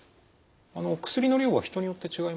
あの薬の量は人によって違いますか？